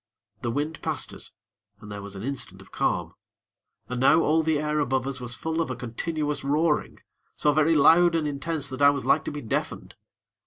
The wind passed us, and there was an instant of calm. And now all the air above us was full of a continuous roaring, so very loud and intense that I was like to be deafened.